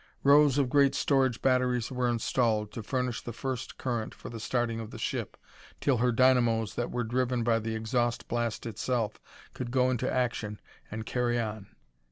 Rows of great storage batteries were installed, to furnish the first current for the starting of the ship, till her dynamos that were driven by the exhaust blast itself could go into action and carry on.